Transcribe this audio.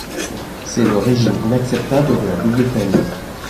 C’est le régime inacceptable de la double peine